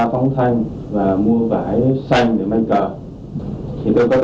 hoàng văn phục